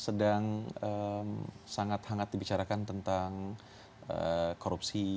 sedang sangat hangat dibicarakan tentang korupsi